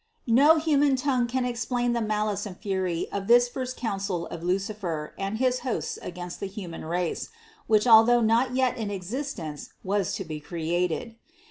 No human tongue can explain the malice and fury of this first council of Lucifer and his hosts against the human race, which although not yet in existence, was to be created.